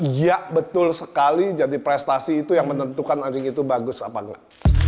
iya betul sekali jadi prestasi itu yang menentukan anjing itu bagus apa enggak